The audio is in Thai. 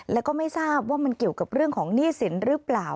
แล้วก็ไม่ทราบว่ามันเกี่ยวกับเรื่องของหนี้สินหรือเปล่า